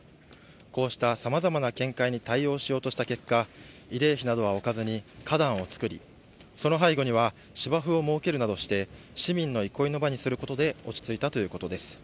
こうした様々な見解に対応しようとした結果、慰霊碑などは置かずに花壇を作り、その背後には芝生を設けるなどして、市民の憩いの場にすることで、落ち着いたということです。